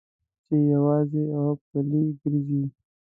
چې یوازې او پلي ګرځې.